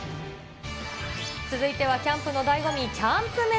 続いてはキャンプのだいご味、キャンプ飯。